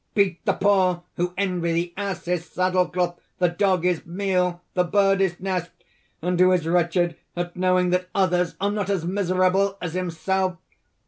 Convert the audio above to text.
Beat the poor who envy the ass his saddle cloth, the dog his meal, the bird his nest, and who is wretched at knowing that others are not as miserable as himself.